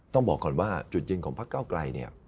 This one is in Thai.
ต้องบอกก่อนว่าจุดยืนของพักเก้าไกลเนี่ย